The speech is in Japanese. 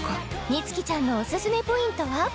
美月ちゃんのオススメポイントは？